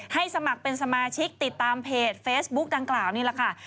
สมัครเป็นสมาชิกติดตามเพจเฟซบุ๊กดังกล่าวนี่แหละค่ะ